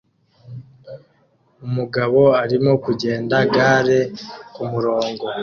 Umugabo arimo kugenda-gare kumurongo